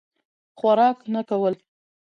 خوراک نه کول.